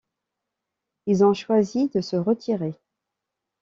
Ils ont choisi de se retirer.